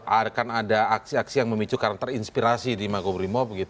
akan ada aksi aksi yang memicu karena terinspirasi di makobrimob